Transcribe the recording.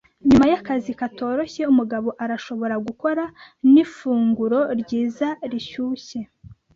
Nyuma yakazi katoroshye, umugabo arashobora gukora nifunguro ryiza, rishyushye.